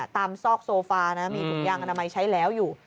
ตามซอกโซฟามีทุกอย่างอนามัยใช้แล้วอยู่